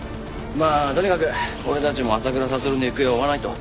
まあとにかく俺たちも浅倉悟の行方を追わないと。